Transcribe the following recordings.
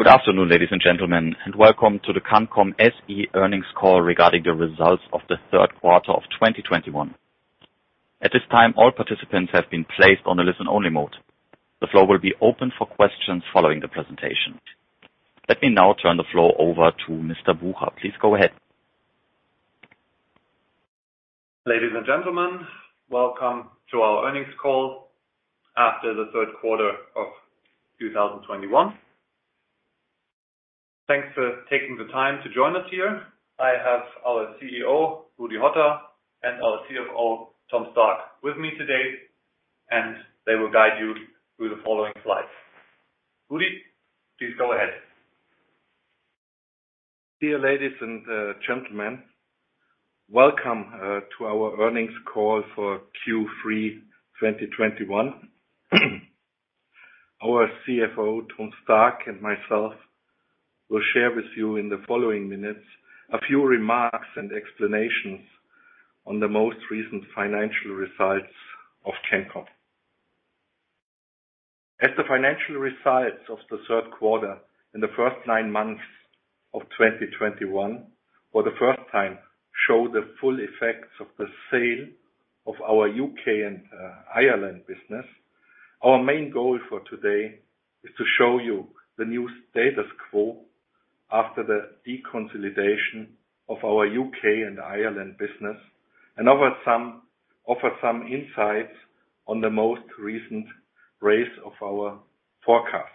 Good afternoon, ladies and gentlemen, and welcome to the CANCOM SE earnings call regarding the results of the third quarter of 2021. At this time, all participants have been placed on a listen-only mode. The floor will be open for questions following the presentation. Let me now turn the floor over to Mr. Bucher. Please go ahead. Ladies and gentlemen, welcome to our earnings call after the third quarter of 2021. Thanks for taking the time to join us here. I have our CEO, Rudolf Hotter, and our CFO, Thomas Stark, with me today, and they will guide you through the following slides. Rudolf, please go ahead. Dear ladies and gentlemen, welcome to our earnings call for Q3 2021. Our CFO, Tom Stark, and myself will share with you in the following minutes a few remarks and explanations on the most recent financial results of CANCOM. As the financial results of the third quarter and the first nine months of 2021 for the first time show the full effects of the sale of our U.K. and Ireland business. Our main goal for today is to show you the new status quo after the deconsolidation of our U.K. and Ireland business and offer some insights on the most recent raise of our forecast.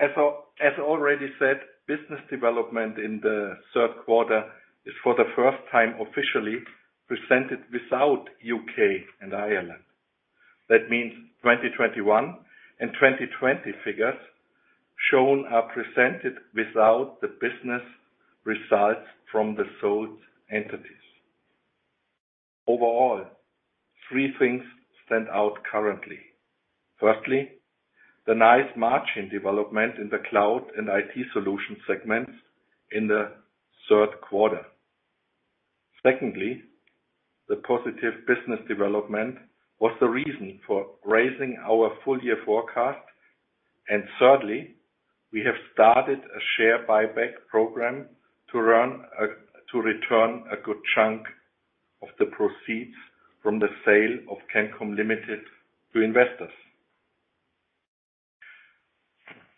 As already said, business development in the third quarter is for the first time officially presented without U.K. and Ireland. That means 2021 and 2020 figures shown are presented without the business results from the sold entities. Overall, three things stand out currently. Firstly, the nice margin development in the cloud and IT solution segments in the third quarter. Secondly, the positive business development was the reason for raising our full-year forecast. Thirdly, we have started a share buyback program to return a good chunk of the proceeds from the sale of CANCOM Ltd. to investors.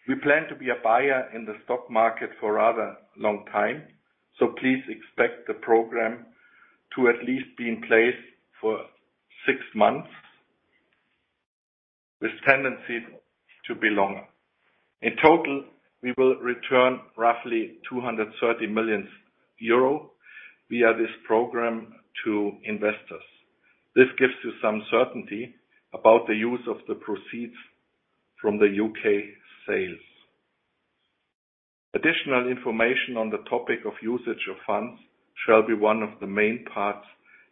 We plan to be a buyer in the stock market for rather long time, so please expect the program to at least be in place for six months, with tendency to be longer. In total, we will return roughly 230 million euro via this program to investors. This gives you some certainty about the use of the proceeds from the UK sales. Additional information on the topic of usage of funds shall be one of the main parts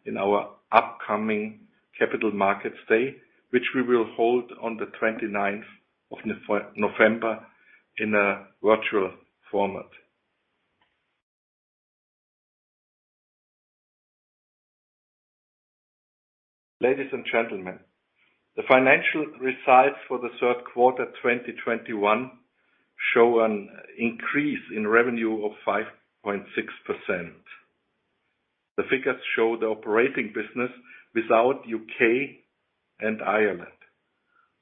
in our upcoming Capital Markets Day, which we will hold on the 29th of November in a virtual format. Ladies and gentlemen, the financial results for the third quarter 2021 show an increase in revenue of 5.6%. The figures show the operating business without U.K. and Ireland.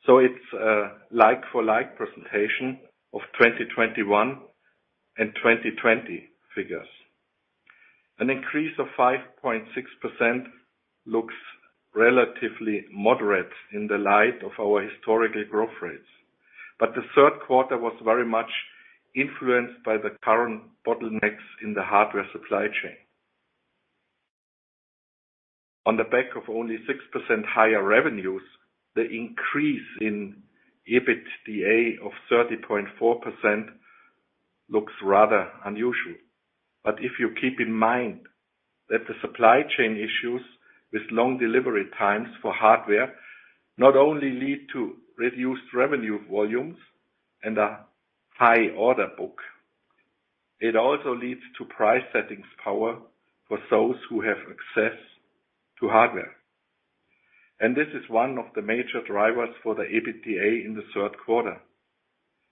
It's a like-for-like presentation of 2021 and 2020 figures. An increase of 5.6% looks relatively moderate in the light of our historical growth rates. The third quarter was very much influenced by the current bottlenecks in the hardware supply chain. On the back of only 6% higher revenues, the increase in EBITDA of 30.4% looks rather unusual. If you keep in mind that the supply chain issues with long delivery times for hardware not only lead to reduced revenue volumes and a high order book, it also leads to pricing power for those who have access to hardware. This is one of the major drivers for the EBITDA in the third quarter.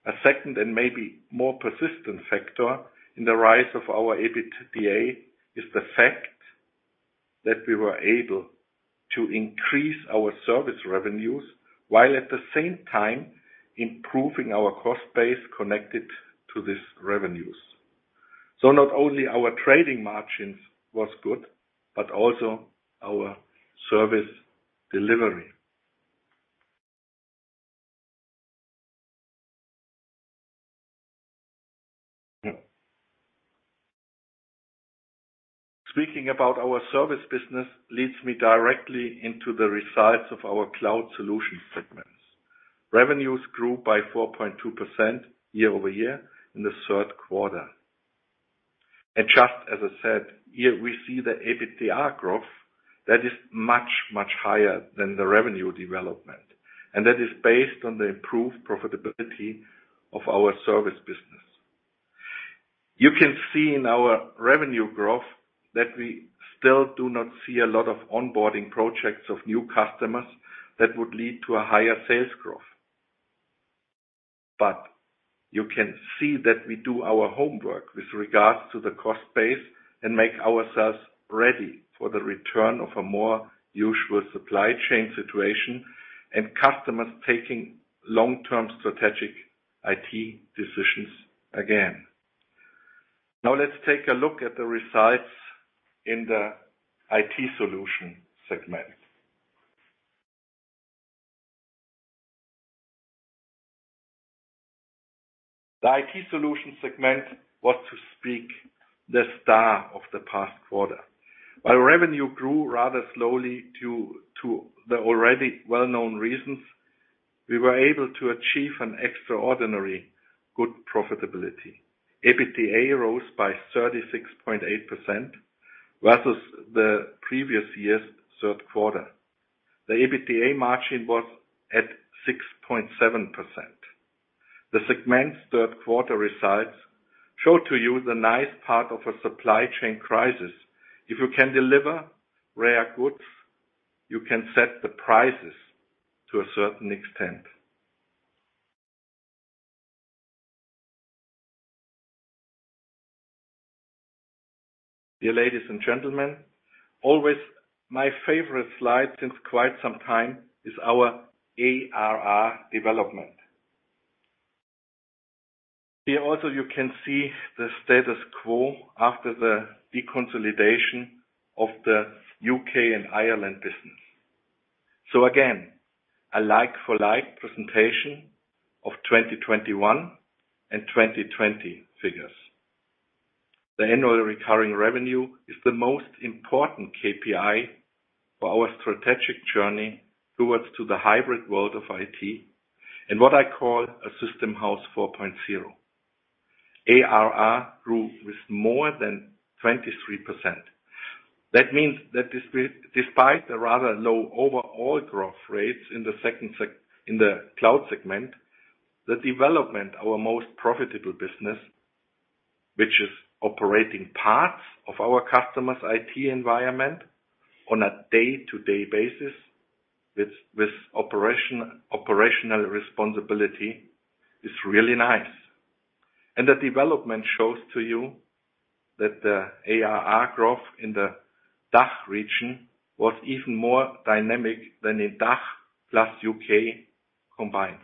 A second and maybe more persistent factor in the rise of our EBITDA is the fact that we were able to increase our service revenues while at the same time improving our cost base connected to these revenues. Not only our trading margins was good, but also our Service delivery. Speaking about our Service business leads me directly into the results of our Cloud Solution segments. Revenues grew by 4.2% year-over-year in the third quarter. Just as I said, here we see the EBITDA growth that is much, much higher than the revenue development, and that is based on the improved profitability of our Service business. You can see in our revenue growth that we still do not see a lot of onboarding projects of new customers that would lead to a higher sales growth. You can see that we do our homework with regards to the cost base and make ourselves ready for the return of a more usual supply chain situation and customers taking long-term strategic IT decisions again. Now let's take a look at the results in the IT Solution segment. The IT Solution segment was, to speak, the star of the past quarter. While revenue grew rather slowly due to the already well-known reasons, we were able to achieve an extraordinary good profitability. EBITDA rose by 36.8% versus the previous year's third quarter. The EBITDA margin was at 6.7%. The segment's third quarter results show to you the nice part of a supply chain crisis. If you can deliver rare goods, you can set the prices to a certain extent. Dear ladies and gentlemen, always my favorite slide since quite some time is our ARR development. Here also, you can see the status quo after the deconsolidation of the U.K. and Ireland business. Again, a like-for-like presentation of 2021 and 2020 figures. The annual recurring revenue is the most important KPI for our strategic journey towards to the hybrid world of IT and what I call a system house 4.0. ARR grew with more than 23%. That means that despite the rather low overall growth rates in the cloud segment, the development, our most profitable business, which is operating parts of our customers' IT environment on a day-to-day basis with operation, operational responsibility, is really nice. The development shows to you that the ARR growth in the DACH region was even more dynamic than in DACH plus U.K. combined.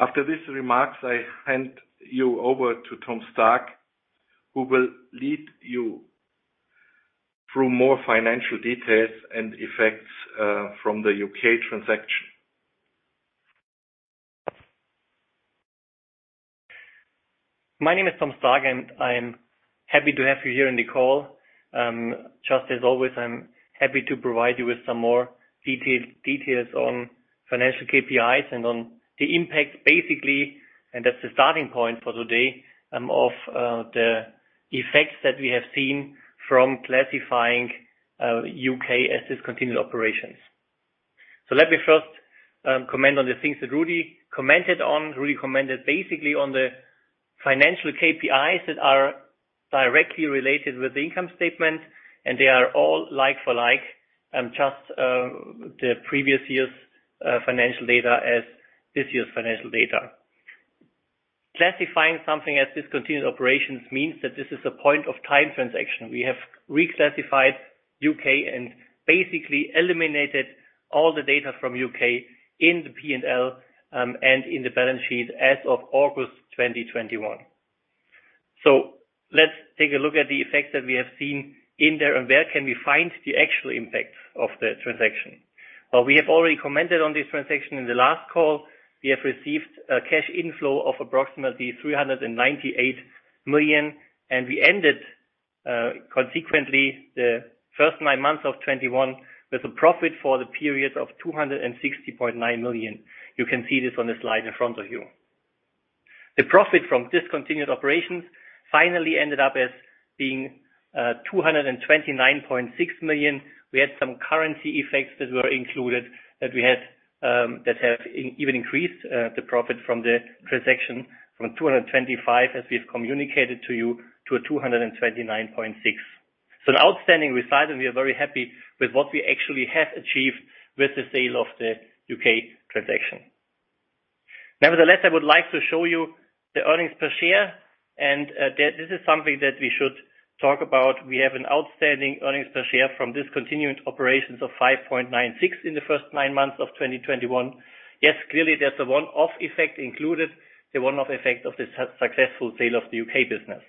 After these remarks, I hand you over to Tom Stark, who will lead you through more financial details and effects from the U.K. transaction. My name is Tom Stark, and I'm happy to have you here on the call. Just as always, I'm happy to provide you with some more details on financial KPIs and on the impact, basically, and that's the starting point for today, of the effects that we have seen from classifying U.K. as discontinued operations. Let me first comment on the things that Rudolf commented on. Rudolf commented basically on the financial KPIs that are directly related with the income statement, and they are all like for like, just the previous year's financial data as this year's financial data. Classifying something as discontinued operations means that this is a point of time transaction. We have reclassified U.K. and basically eliminated all the data from U.K. in the P&L, and in the balance sheet as of August 2021. Let's take a look at the effects that we have seen in there and where can we find the actual impacts of the transaction. Well, we have already commented on this transaction in the last call. We have received a cash inflow of approximately 398 million, and we ended consequently the first nine months of 2021 with a profit for the period of 260.9 million. You can see this on the slide in front of you. The profit from discontinued operations finally ended up as being 229.6 million. We had some currency effects that were included that we had that have even increased the profit from the transaction from 225, as we've communicated to you, to 229.6. An outstanding result, and we are very happy with what we actually have achieved with the sale of the U.K. transaction. Nevertheless, I would like to show you the earnings per share, and this is something that we should talk about. We have an outstanding earnings per share from discontinued operations of 5.96 in the first nine months of 2021. Yes, clearly, there's a one-off effect included, the one-off effect of the successful sale of the U.K. Business.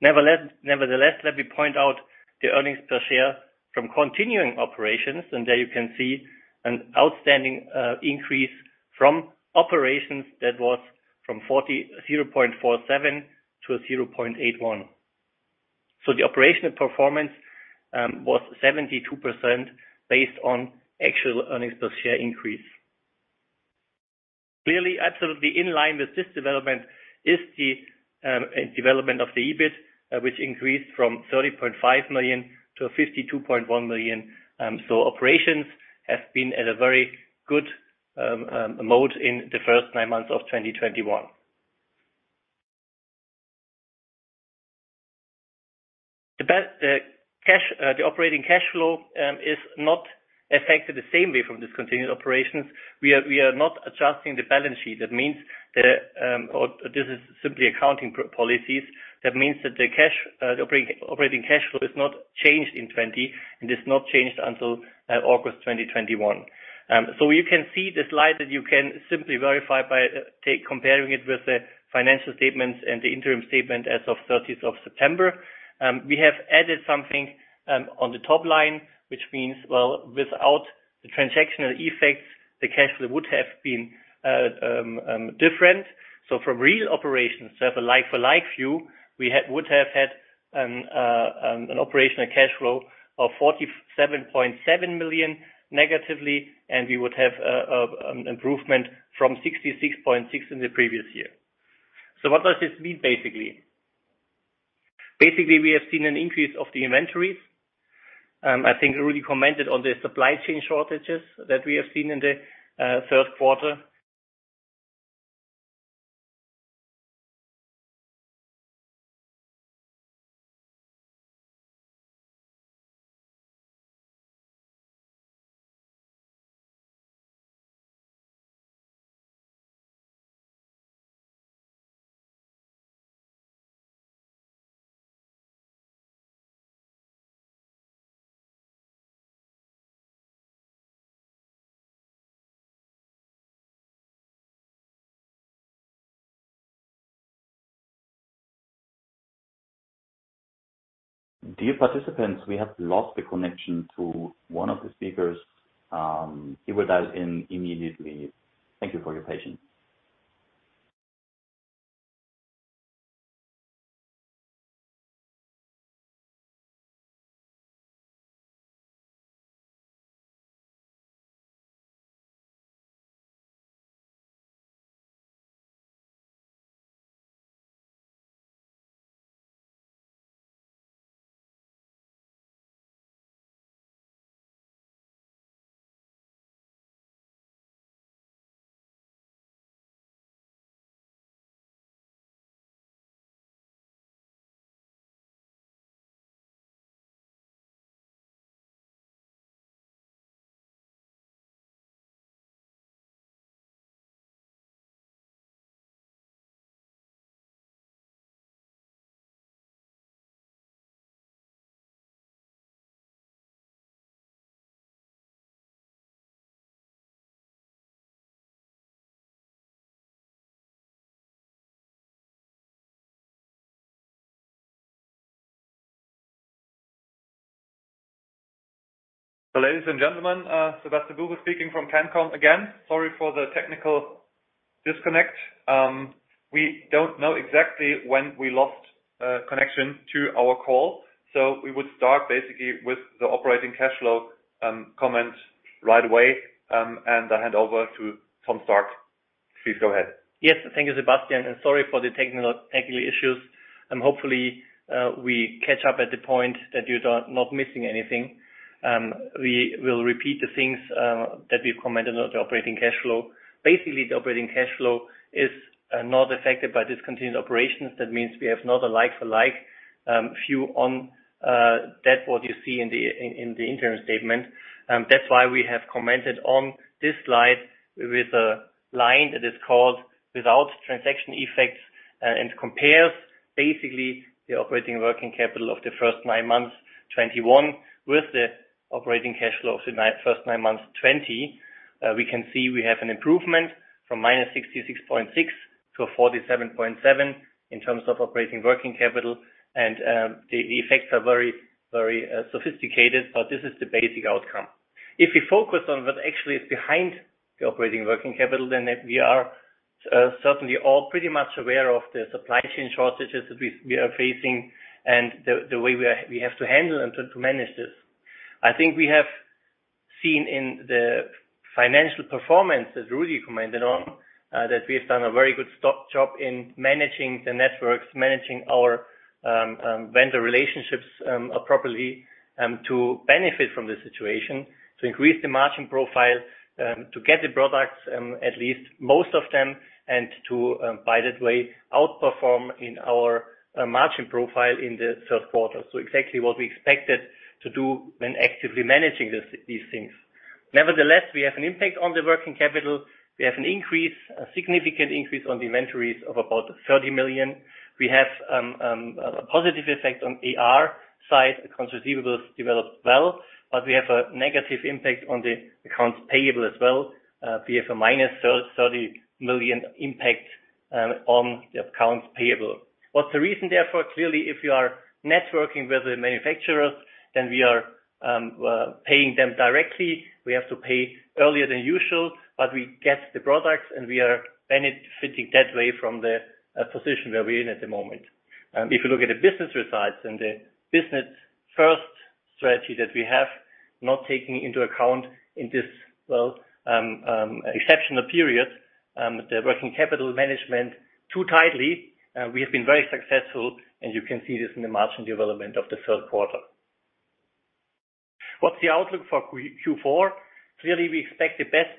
Nevertheless, let me point out the earnings per share from continuing operations, and there you can see an outstanding increase from operations that was from 0.47 to 0.81. The operational performance was 72% based on actual earnings per share increase. Clearly, absolutely in line with this development is the development of the EBIT, which increased from 30.5 million to 52.1 million. Operations have been at a very good mode in the first nine months of 2021. The operating cash flow is not affected the same way from discontinued operations. We are not adjusting the balance sheet. That means that, or this is simply accounting policies. That means that the operating cash flow is not changed in 2020, and is not changed until August 2021. You can see the slide that you can simply verify by comparing it with the financial statements and the interim statement as of 30th of September. We have added something on the top line, which means, well, without the transactional effects, the cash flow would have been different. From real operations, for like-for-like view, we would have had an operational cash flow of -47.7 million, and we would have improvement from 66.6 million in the previous year. What does this mean, basically? Basically, we have seen an increase of the inventories. I think Rudi commented on the supply chain shortages that we have seen in the third quarter. Dear participants, we have lost the connection to one of the speakers. He will dial in immediately. Thank you for your patience. Ladies and gentlemen, Sebastian Bucher speaking from CANCOM again. Sorry for the technical disconnect. We don't know exactly when we lost connection to our call. We would start basically with the operating cash flow comment right away, and I hand over to Tom Stark. Please go ahead. Yes. Thank you, Sebastian, and sorry for the technical issues. Hopefully, we catch up at the point that you are not missing anything. We will repeat the things that we've commented on the operating cash flow. Basically, the operating cash flow is not affected by discontinued operations. That means we have not a like-for-like view on what you see in the interim statement. That's why we have commented on this slide with a line that is called Without Transaction Effects, and compares basically the operating working capital of the first nine months 2021 with the operating cash flow of the first nine months 2020. We can see we have an improvement from -66.6 to 47.7 in terms of operating working capital. The effects are very sophisticated, but this is the basic outcome. If we focus on what actually is behind the operating working capital, then we are certainly all pretty much aware of the supply chain shortages that we are facing and the way we have to handle them to manage this. I think we have seen in the financial performance, as Rudi commented on, that we have done a very good job in managing the networks, managing our vendor relationships properly, to benefit from this situation, to increase the margin profile, to get the products, at least most of them, and by that way, outperform in our margin profile in the third quarter. Exactly what we expected to do when actively managing these things. Nevertheless, we have an impact on the working capital. We have an increase, a significant increase on the inventories of about 30 million. We have a positive effect on AR side. Accounts receivable developed well, but we have a negative impact on the accounts payable as well. We have a -30 million impact on the accounts payable. What's the reason, therefore? Clearly, if you are networking with the manufacturers, then we are paying them directly. We have to pay earlier than usual, but we get the products, and we are benefiting that way from the position where we're in at the moment. If you look at the business results and the business first strategy that we have, not taking into account in this, well, exceptional period, the working capital management too tightly, we have been very successful, and you can see this in the margin development of the third quarter. What's the outlook for Q4? Clearly, we expect the best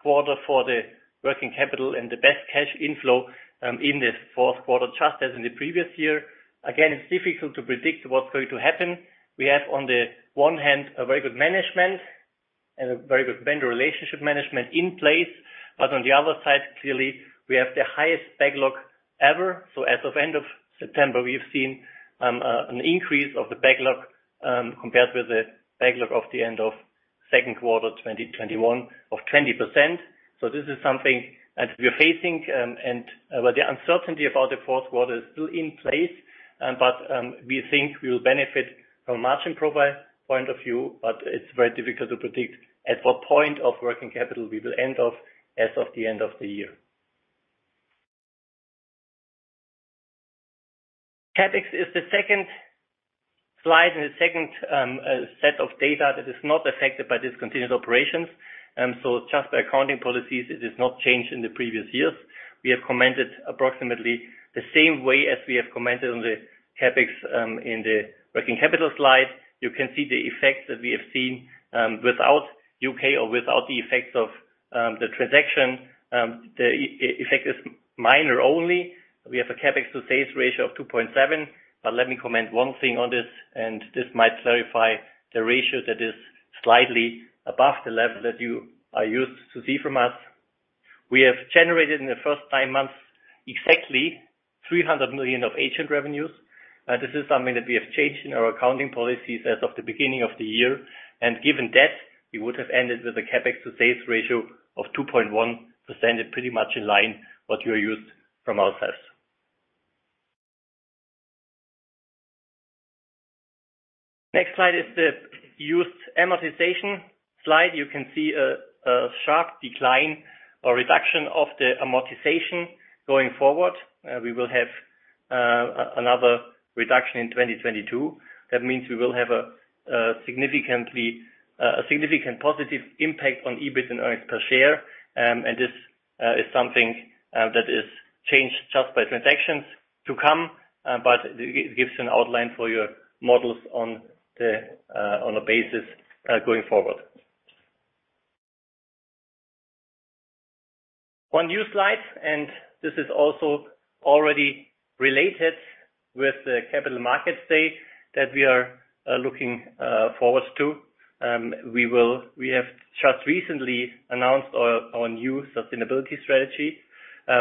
quarter for the working capital and the best cash inflow in the fourth quarter, just as in the previous year. Again, it's difficult to predict what's going to happen. We have, on the one hand, a very good management and a very good vendor relationship management in place. On the other side, clearly, we have the highest backlog ever. As of end of September, we've seen an increase of the backlog compared with the backlog of the end of second quarter 2021 of 20%. This is something that we are facing but the uncertainty about the fourth quarter is still in place. We think we will benefit from margin profile point of view, but it's very difficult to predict at what point of working capital we will end up as of the end of the year. CapEx is the second slide and the second set of data that is not affected by discontinued operations. Just by accounting policies, it has not changed in the previous years. We have commented approximately the same way as we have commented on the CapEx in the working capital slide. You can see the effects that we have seen without U.K. or without the effects of the transaction. The effect is minor only. We have a CapEx to sales ratio of 2.7%. Let me comment one thing on this, and this might clarify the ratio that is slightly above the level that you are used to see from us. We have generated in the first nine months exactly 300 million of agent revenues. This is something that we have changed in our accounting policies as of the beginning of the year. Given that, we would have ended with a CapEx to sales ratio of 2.1%, pretty much in line with what you are used to from ourselves. Next slide is the usual amortization slide. You can see a sharp decline or reduction of the amortization going forward. We will have another reduction in 2022. That means we will have a significant positive impact on EBIT and earnings per share. This is something that is changed just by transactions to come, but it gives an outline for your models on a basis going forward. One new slide, and this is also already related with the Capital Markets Day that we are looking forward to. We have just recently announced our new sustainability strategy.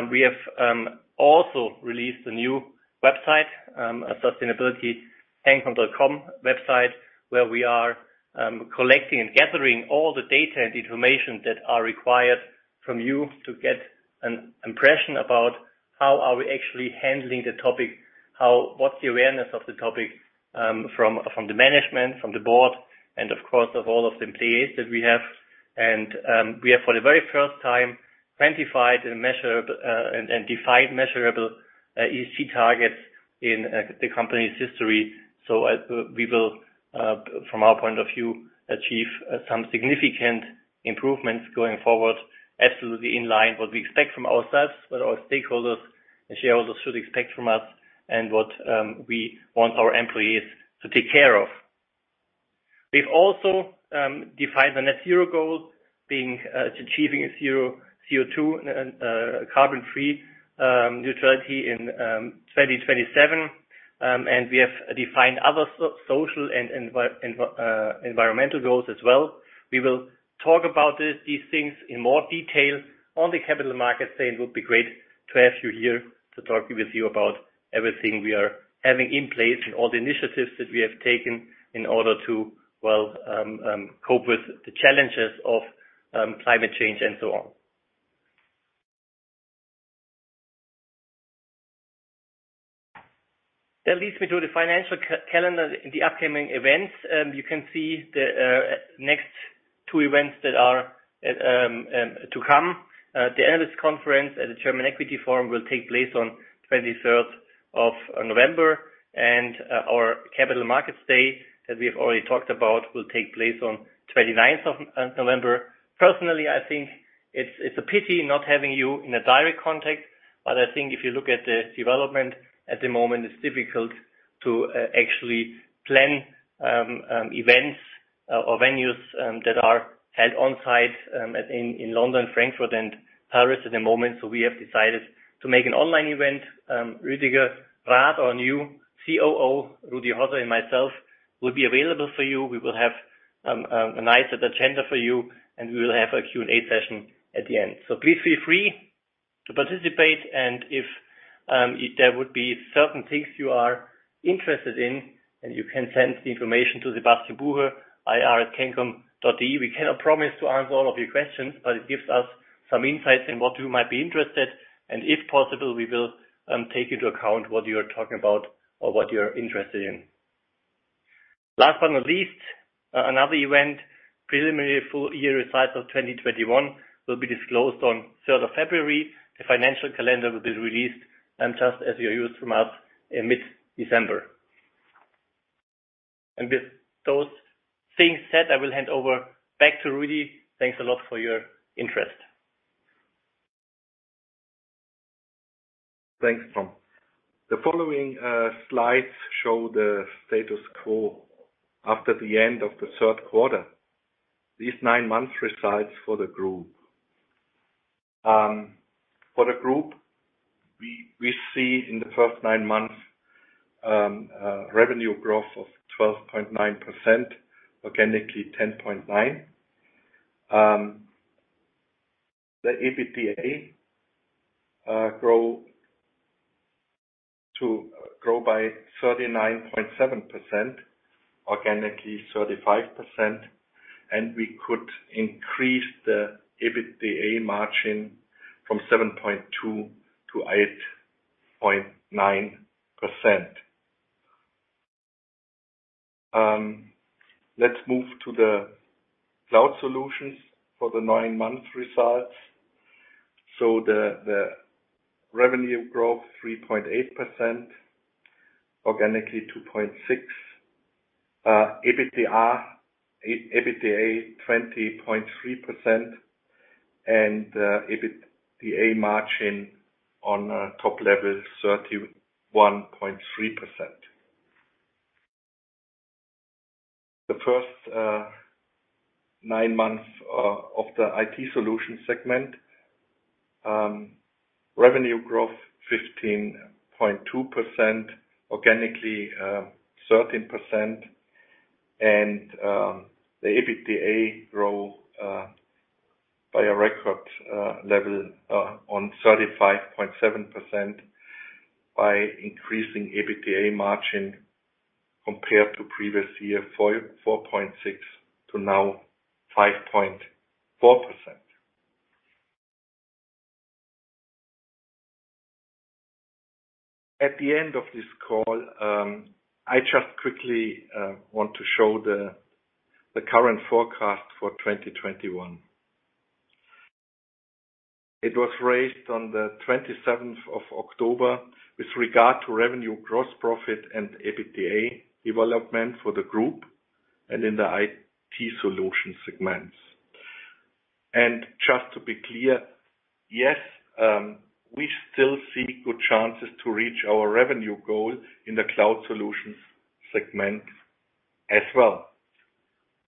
We have also released a new website, a sustainability.cancom.com website, where we are collecting and gathering all the data and information that are required from you to get an impression about how we are actually handling the topic, what's the awareness of the topic, from the management, from the board, and of course, of all of the employees that we have. We have, for the very first time, quantified and measured and defined measurable ESG targets in the company's history. We will, from our point of view, achieve some significant improvements going forward, absolutely in line what we expect from ourselves, what our stakeholders and shareholders should expect from us and what we want our employees to take care of. We've also defined the net zero goal being to achieving a zero CO2 carbon-free neutrality in 2027. We have defined other social and environmental goals as well. We will talk about it, these things in more detail on the Capital Markets Day, and it would be great to have you here to talk with you about everything we are having in place and all the initiatives that we have taken in order to cope with the challenges of climate change and so on. That leads me to the financial calendar and the upcoming events. You can see the next two events that are to come. The analyst conference at the German Equity Forum will take place on 23rd of November, and our Capital Markets Day, as we have already talked about, will take place on 29th of November. Personally, I think it's a pity not having you in direct contact, but I think if you look at the development at the moment, it's difficult to actually plan events or venues that are held on-site in London, Frankfurt and Paris at the moment. We have decided to make an online event. Rüdiger Rath, our new COO, Rudolf Hotter and myself will be available for you. We will have a nice agenda for you, and we will have a Q&A session at the end. Please feel free to participate. If there would be certain things you are interested in, and you can send the information to Sebastian Bucher, ir@cancom.de. We cannot promise to answer all of your questions, but it gives us some insights in what you might be interested. If possible, we will take into account what you are talking about or what you're interested in. Last but not least, another event, preliminary full year results of 2021 will be disclosed on 3rd of February. The financial calendar will be released, and just as you're used to from us in mid-December. With those things said, I will hand over back to Rudi. Thanks a lot for your interest. Thanks, Tom. The following slides show the status quo after the end of the third quarter. These nine months' results for the group. For the group, we see in the first nine months, revenue growth of 12.9%, organically 10.9%. The EBITDA grew by 39.7%, organically 35%, and we could increase the EBITDA margin from 7.2% to 8.9%. Let's move to the cloud solutions for the nine-month results. The revenue growth 3.8%, organically 2.6%. EBITDA 20.3% and EBITDA margin on top level 31.3%. The first nine months of the IT solution segment, revenue growth 15.2%, organically 13%. The EBITDA grew by a record level of 35.7% with an increasing EBITDA margin compared to previous year 4.6% to now 5.4%. At the end of this call, I just quickly want to show the current forecast for 2021. It was raised on the 27th of October with regard to revenue, gross profit and EBITDA development for the group and in the IT Solution segments. Just to be clear, yes, we still see good chances to reach our revenue goal in the Cloud Solutions segment as well.